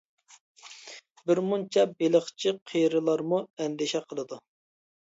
بىر مۇنچە بېلىقچى قېرىلارمۇ ئەندىشە قىلىدۇ.